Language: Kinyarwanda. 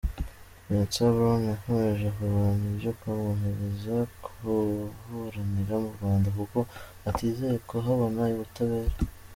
Vincent Brown yakomeje kurwanya ibyo kumwohereza kuburanira mu Rwanda kuko atizeye kuhabona ubutabera.